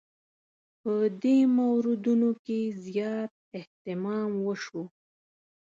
په دې موردونو کې زیات اهتمام وشو.